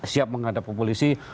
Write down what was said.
siap menghadapi polisi